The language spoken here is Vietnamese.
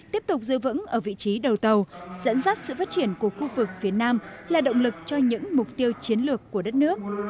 tiếp tục giữ vững ở vị trí đầu tàu dẫn dắt sự phát triển của khu vực phía nam là động lực cho những mục tiêu chiến lược của đất nước